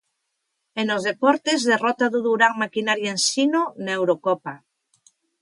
E nos deportes, derrota do Durán Maquinaria Ensino na Eurocopa.